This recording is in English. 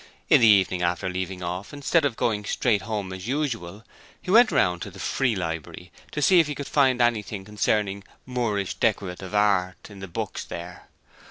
In the evening after leaving off, instead of going straight home as usual he went round to the Free Library to see if he could find anything concerning Moorish decorative work in any of the books there.